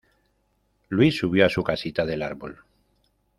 Luis subió a su casita del árbol